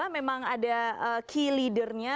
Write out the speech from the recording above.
memang ada key leadernya